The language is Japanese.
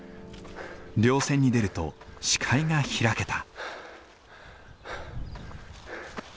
稜線に出ると視界が開けた。